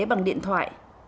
bằng điện thoại